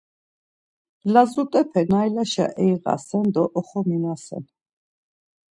Lazut̆epe naylaşa eyiğasen do oxombinasen.